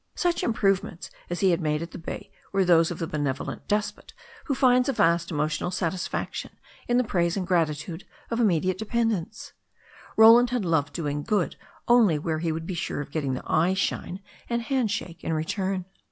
Such improvements as he had made at the bay were those of the benevolent despot who finds a vast emotional satisfaction in the praise and gratitude of immediate dependents. Roland had loved doing good only where he could be sure of getting the eye shine and hand shake in return.